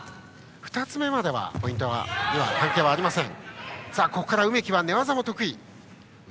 ２つ目まではポイントに関係ありません。